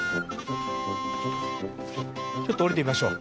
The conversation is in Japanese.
ちょっと下りてみましょう。